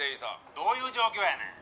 「どういう状況やねん」